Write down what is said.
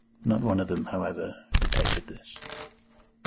Not one of them, however, detected this.